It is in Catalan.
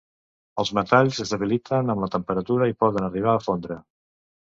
Els metalls es debiliten amb la temperatura i poden arribar a fondre.